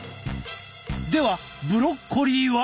ではブロッコリーは。